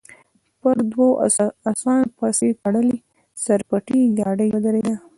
پر دوو اسانو پسې تړلې سر پټې ګاډۍ ودرېده.